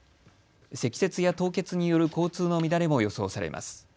積雪や凍結による交通の乱れも予想されます。